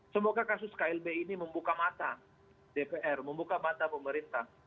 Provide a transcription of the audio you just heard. semoga kasus klb ini membuka mata dpr membuka mata pemerintah